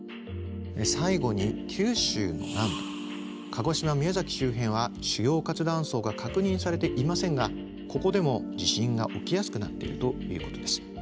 最後に九州の南部鹿児島宮崎周辺は主要活断層が確認されていませんがここでも地震が起きやすくなっているということです。